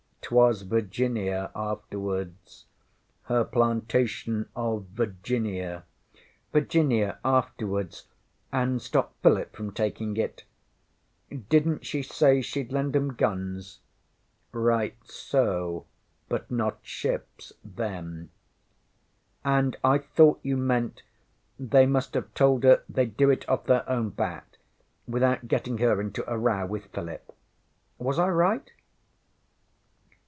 ŌĆÖ ŌĆśŌĆÖTwas Virginia after wards. Her plantation of Virginia.ŌĆÖ ŌĆśVirginia afterwards, and stop Philip from taking it. DidnŌĆÖt she say sheŌĆÖd lend ŌĆśem guns? ŌĆÖ ŌĆśRight so. But not ships then. ŌĆÖ ŌĆśAnd I thought you meant they must have told her theyŌĆÖd do it off their own bat, without getting her into a row with Philip. Was I right?